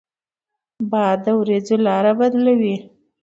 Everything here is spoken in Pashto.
باد د ورېځو لاره بدلوي